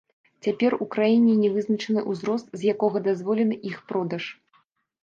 Цяпер у краіне не вызначаны ўзрост, з якога дазволены іх продаж.